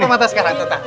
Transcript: tutup mata sekarang